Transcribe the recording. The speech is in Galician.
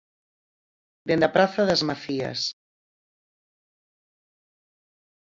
Dende a Praza das Macías.